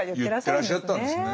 言ってらっしゃったんですね。